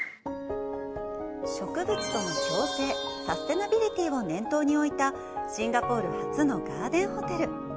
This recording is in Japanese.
植物との共生「サステナビリティ」を念頭に置いた、シンガポール初のガーデンホテル。